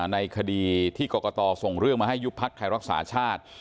ในคดีที่กรกตส่งเรื่องมาให้ยุบพักไทยรักษาชาติ